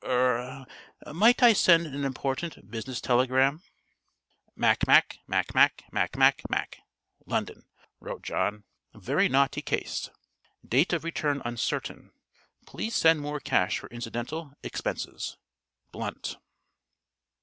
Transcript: Er might I send an important business telegram?" "Macmacmacmacmac, London," wrote John. "Very knotty case. Date of return uncertain. Please send more cash for incidental expenses. Blunt."